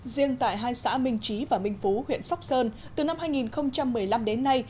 riêng tại hai xã minh trí và minh phú huyện sóc sơn từ năm hai nghìn một mươi năm đến nay